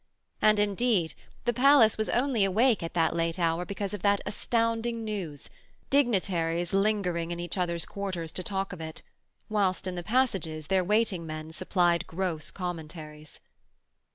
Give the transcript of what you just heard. And indeed the palace was only awake at that late hour because of that astounding news, dignitaries lingering in each other's quarters to talk of it, whilst in the passages their waiting men supplied gross commentaries.